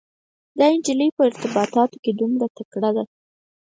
دا انجلۍ په ارتباطاتو کې دومره تکړه ده.